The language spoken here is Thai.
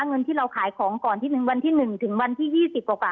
เงินที่เราขายของก่อนที่หนึ่งวันที่๑ถึงวันที่๒๐กว่า